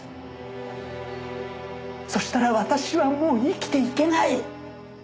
そしたら私はもう生きていけない。